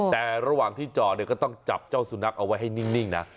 แต่ระหว่างที่จอดเนี่ยก็ต้องจับเจ้าสุนัขเอาไว้ให้นิ่งนะ